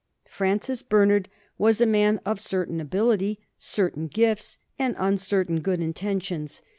Francis Bernard was a man of certain ability, certain gifts, and uncertain good intentions.